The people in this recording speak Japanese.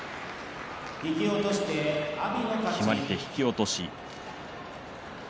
決まり手、引き落とし。